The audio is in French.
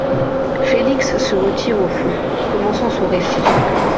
Félix se retire au fond ; commençant son récit.